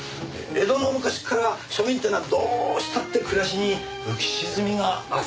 江戸の昔から庶民ってのはどうしたって暮らしに浮き沈みがある。